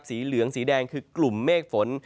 สีเหลืองสีแดงคือกลุ่มเมฆฝน